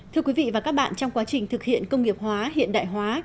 thưa quý vị và các bạn trong quá trình thực hiện công nghiệp hóa hiện đại hóa